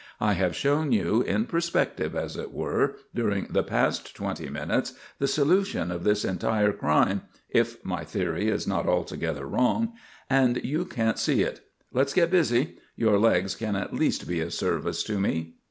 I have shown you in perspective as it were, during the past twenty minutes, the solution of this entire crime if my theory is not altogether wrong and you can't see it. Let's get busy. Your legs can at least be of service to me.